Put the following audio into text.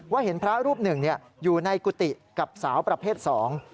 เห็นพระรูปหนึ่งอยู่ในกุฏิกับสาวประเภทสอง